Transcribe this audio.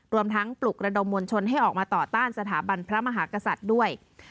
รวมทั้งปลุกระดมมวลชนให้ออกมาต่อต้านสถาบันพระมหากษัตริย์ด้วย